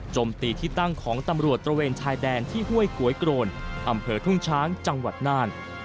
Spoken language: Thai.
จมตีที่ตั้งของตำรวจตระเวนชายแดนที่ห้วยก๋วยโกรนอำเภอทุ่งช้างจังหวัดน่าน